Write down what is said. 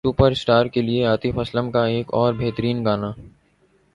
superstar کے لیے عاطف اسلم کا ایک اور بہترین گانا